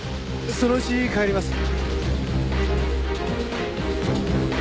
そのうち帰ります。